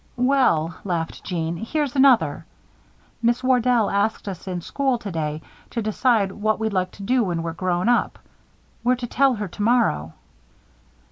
"Well," laughed Jeanne, "here's another. Miss Wardell asked us in school today to decide what we'd like to do when we're grown up. We're to tell her tomorrow."